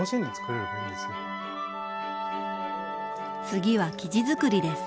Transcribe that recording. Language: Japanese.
次は生地づくりです。